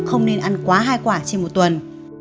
không nên ăn quá hai quả trên một tuần